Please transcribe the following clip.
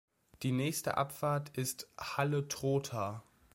Die nächste Abfahrt ist „Halle-Trotha“.